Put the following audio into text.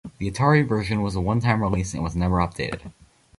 The Atari version was a one time release and was never updated.